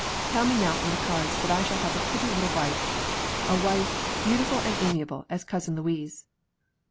Tell me now from the cards that I shall have a pretty little wife; a wife beautiful and amiable as Cousin Louise.